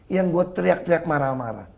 yang gue teriak teriak marah marah